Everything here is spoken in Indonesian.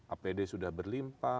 apd sudah berlimpah